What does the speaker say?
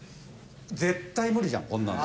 絶対無理じゃんこんなの。